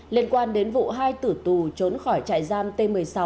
liên quan đến vụ hai tử tù trốn khỏi trại giam t một mươi sáu